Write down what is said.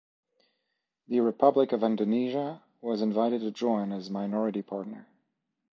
The Republic of Indonesia was invited to join as minority partner.